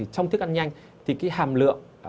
trong thức ăn nhanh thì hàm lượng